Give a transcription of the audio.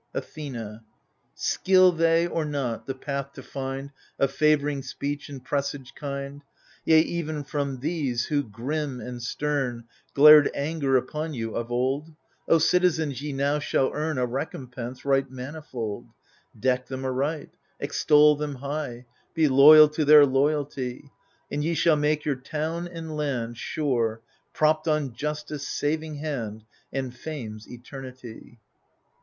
^ Athena Skill they, or not, the path to find Of favouring speech and presage kind ? Yea, even from these, who, grim and stem, Glared anger upon you of old, O citizens, ye now shall earn A recompense right manifold. Deck them aright, extol them high. Be loyal to their loyalty. And ye shall make your town and land Sure, propped on Justice' saving hand, And Fame's eternity.